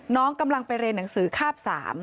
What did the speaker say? กำลังไปเรียนหนังสือคาบ๓